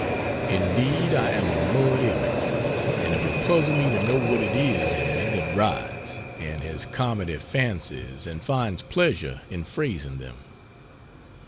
Indeed I am a mud image, and it will puzzle me to know what it is in me that writes, and has comedy fancies and finds pleasure in phrasing them.